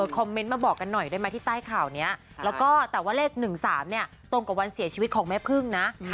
คอมเมนต์มาบอกกันหน่อยได้ไหมที่ใต้ข่าวนี้แล้วก็แต่ว่าเลข๑๓เนี่ยตรงกับวันเสียชีวิตของแม่พึ่งนะ